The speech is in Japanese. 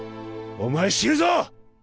お前死ぬぞ！